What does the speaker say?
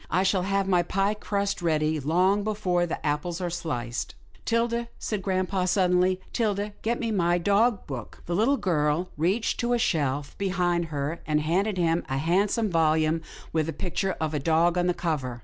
" I shall have my pie crust ready, long before the apples are sliced." 126 'TILDA JANE'S ORPHANS " 'Tilda," said grampa suddenly. " 'Tilda, get me my dog book." The little girl reached to a shelf behind her and handed him a handsome volume with the picture of a dog on the cover.